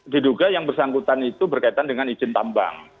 diduga yang bersangkutan itu berkaitan dengan izin tambang